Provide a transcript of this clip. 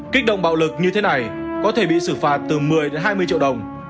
kích động bạo lực như thế này có thể bị xử phạt từ một mươi đến hai mươi triệu đồng